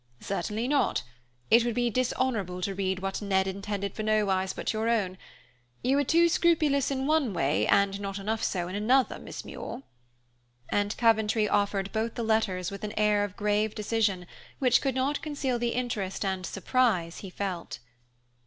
"Certainly not. It would be dishonorable to read what Ned intended for no eyes but your own. You are too scrupulous in one way, and not enough so in another, Miss Muir." And Coventry offered both the letters with an air of grave decision, which could not conceal the interest and surprise he felt.